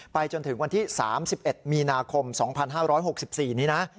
จนถึงวันที่๓๑มีนาคม๒๕๖๔นี้นะ